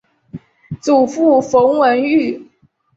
祖父冯文玉。